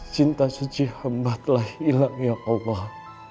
cinta suci amba telah hilang ya allah